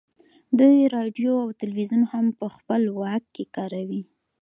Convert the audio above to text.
دوی راډیو او ټلویزیون هم په خپل واک کې کاروي